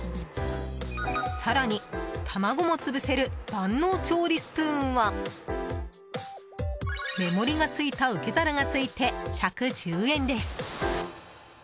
更に、卵も潰せる万能調理スプーンは目盛りが付いた受け皿がついて１１０円です。